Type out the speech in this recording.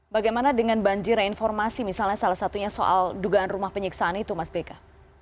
bagaimana dengan banjir informasi misalnya salah satunya soal dugaan rumah penyiksaan itu mas beka